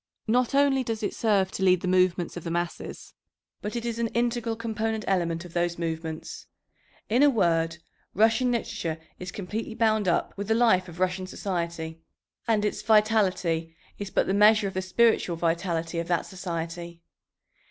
Not only does it serve to lead the movements of the masses, but it is an integral component element of those movements. In a word, Russian literature is completely bound up with the life of Russian society, and its vitality is but the measure of the spiritual vitality of that society.